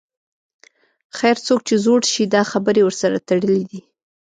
خیر، څوک چې زوړ شي دا خبرې ورسره تړلې دي.